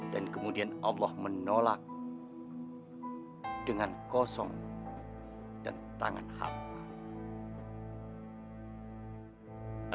dan kemudian allah menolak dengan kosong dan tangan hamba